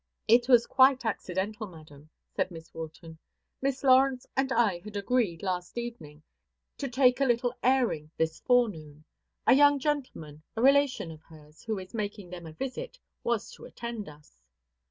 "It was quite accidental, madam," said Miss Wharton. "Miss Lawrence and I had agreed, last evening, to take a little airing this forenoon. A young gentleman, a relation of hers, who is making them a visit, was to attend us.